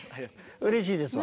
うれしいですわ。